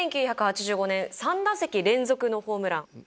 １９８５年３打席連続のホームラン。